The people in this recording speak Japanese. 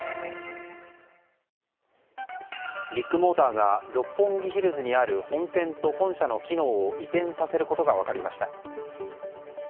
ビッグモーターが六本木ヒルズにある本店と本社の機能を移転させることが分かりました。